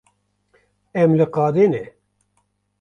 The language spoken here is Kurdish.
Em li qadê ne.